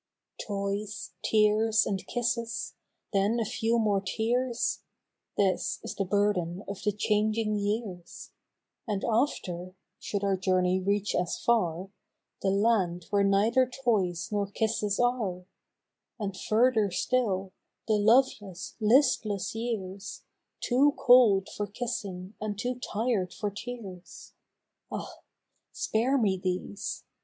7"^0YS, tears, and kisses — then a few more tears (This is the burden of the changing years), And after (should our journey reach as far), The land where neither toys nor kisses are ; And further still, the loveless, listless years, Too cold for kissing and too tired for tears, (Ah ! spare me these